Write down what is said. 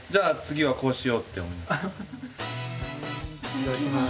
いただきます。